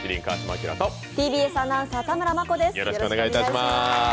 ＴＢＳアナウンサー、田村真子です。